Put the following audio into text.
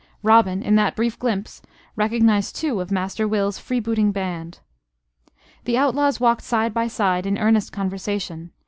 Robin, in that brief glimpse, recognized two of Master Will's free booting band. The outlaws walked side by side in earnest conversation.